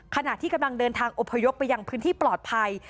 ขณะที่กำลังเดินทางอพยพไปยังพื้นที่ปลอดภัย